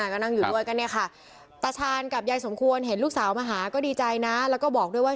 ก็นั่งอยู่ด้วยกันเนี่ยค่ะตาชาญกับยายสมควรเห็นลูกสาวมาหาก็ดีใจนะแล้วก็บอกด้วยว่า